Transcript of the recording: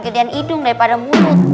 gedean hidung daripada mulut